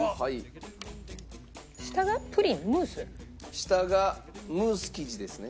下がムース生地ですね。